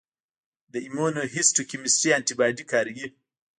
د ایمونوهیسټوکیمسټري انټي باډي کاروي.